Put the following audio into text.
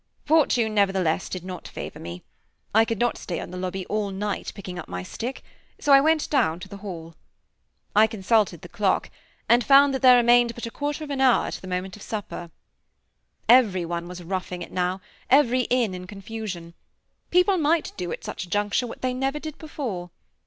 Fortune, nevertheless, did not favor me. I could not stay on the lobby all night picking up my stick, so I went down to the hall. I consulted the clock, and found that there remained but a quarter of an hour to the moment of supper. Everyone was roughing it now, every inn in confusion; people might do at such a juncture what they never did before.